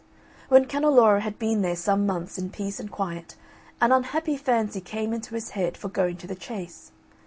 When Canneloro had been there some months in peace and quiet, an unhappy fancy came into his head for going to the chase.